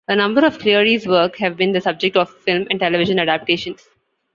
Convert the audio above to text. A number of Cleary's works have been the subject of film and television adaptations.